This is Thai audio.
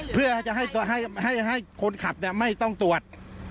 เพื่อให้คนขับไม่ต้องตรวจ